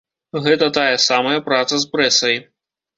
Гэта тая самая праца з прэсай.